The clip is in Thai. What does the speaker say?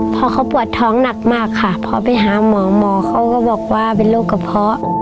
พอเขาปวดท้องหนักมากค่ะพอไปหาหมอหมอเขาก็บอกว่าเป็นโรคกระเพาะ